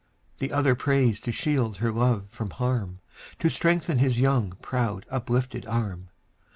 The other prays to shield her love from harm, To strengthen his young, proud uplifted arm.